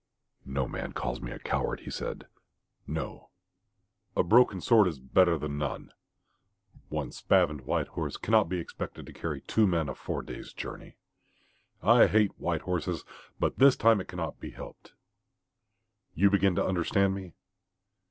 "No man calls me a coward," he said. "No. A broken sword is better than none.... One spavined white horse cannot be expected to carry two men a four days' journey. I hate white horses, but this time it cannot be helped. You begin to understand me?...